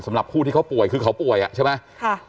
สำหรับผู้ที่เขาป่วยคือเขาป่วยอ่ะใช่ไหม